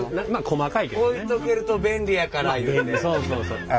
置いとけると便利やからいうて。